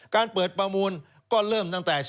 การเปิดประมูลก็เริ่มตั้งแต่